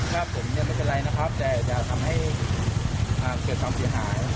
ว่าผมเนี่ยไม่เป็นไรนะครับแต่จะทำให้เกิดความเสียหาย